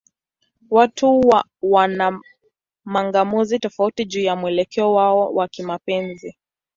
Watu wana mang'amuzi tofauti juu ya mwelekeo wao wa kimapenzi.